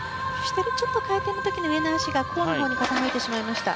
ちょっと回転の時に上の脚が甲のほうに傾いてしまいました。